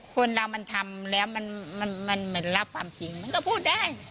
คนเรามันทำแล้วมันเหมือนรับความจริงมันก็พูดได้